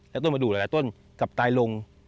และต้นประดูกหลายต้นกลับตายลง